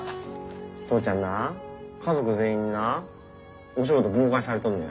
父ちゃんな家族全員になお仕事妨害されとんのや。